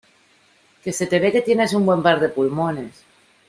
que se te ve que tienes un buen par de pulmones.